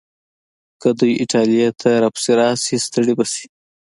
که دوی ایټالیې ته راپسې راشي، ستړي به شي.